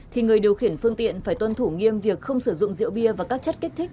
thì người điều khiển phương tiện phải tuân thủ nghiêm việc không sử dụng rượu bia và các chất kích thích